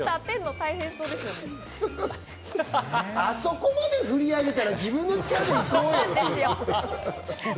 あそこまで振り上げたら自分の力で行こうよ。